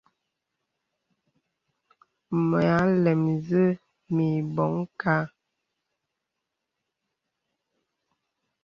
Mə àlɛm zé mə̀ àbɔŋ kâ ɛ.